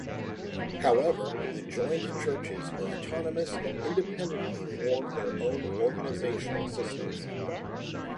However, the joined churches are autonomous and independently form their own organizational systems.